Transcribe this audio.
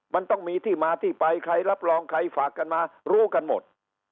มันต้องมีที่มาที่ไปใครรับรองใครฝากกันมารู้กันหมด